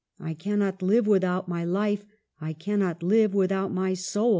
I cannot live without my life. I cannot live with out my soul.'